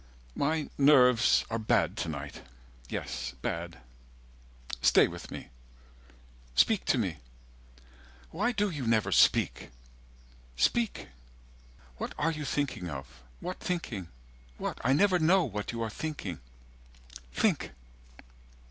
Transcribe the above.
110 "My nerves are bad to night. Yes, bad. Stay with me. "Speak to me. Why do you never speak. Speak. "What are you thinking of? What thinking? What? "I never know what you are thinking. Think."